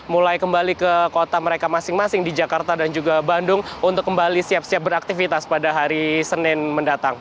mulai kembali ke kota mereka masing masing di jakarta dan juga bandung untuk kembali siap siap beraktivitas pada hari senin mendatang